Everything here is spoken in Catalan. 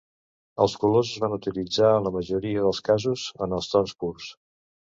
Els colors es van utilitzar a la majoria dels casos en els tons purs.